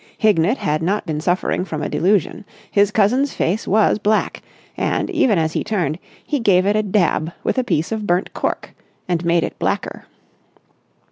Hignett had not been suffering from a delusion. His cousin's face was black; and, even as he turned, he gave it a dab with a piece of burnt cork and made it blacker.